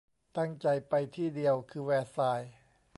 ตั้งใจไปที่เดียวคือแวร์ซายน์